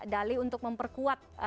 dali untuk memperkuat